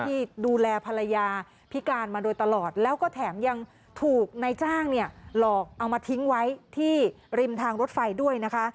ที่ดูแลภรรยาพิการมาโดยตลอดแล้วก็แถมยังถูกนายจ้างเนี่ยหลอกเอามาทิ้งไว้ที่ริมทางรถไฟด้วยนะคะ